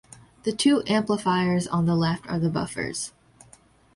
The two amplifiers on the left are the buffers.